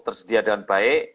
tersedia dengan baik